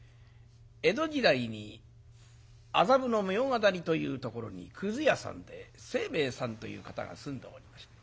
江戸時代に麻布の茗荷谷というところにくず屋さんで清兵衛さんという方が住んでおりました。